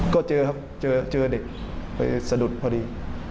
ก็เจอครับเจอเด็กไปสะดุดพอดี